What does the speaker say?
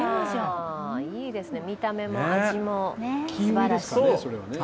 いいですね、見た目も味もすばらしい。